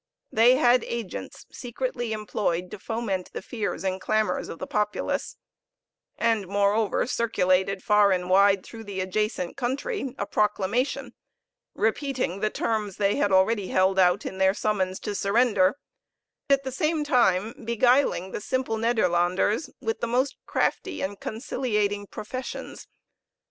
They had agents secretly employed to foment the fears and clamors of the populace; and moreover circulated far and wide through the adjacent country a proclamation, repeating the terms they had already held out in their summons to surrender, at the same time beguiling the simple Nederlanders with the most crafty and conciliating professions.